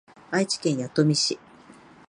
愛知県弥富市